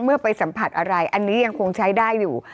ไปสัมผัสอะไรอันนี้ยังคงใช้ได้อยู่